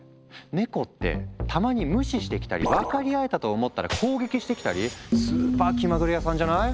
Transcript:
ネコってたまに無視してきたり分かり合えたと思ったら攻撃してきたりスーパー気まぐれ屋さんじゃない？